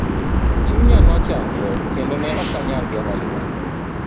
Chunya nochandore kendo ne okanyal geng'o ywak.